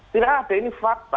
tidak ada ini fakta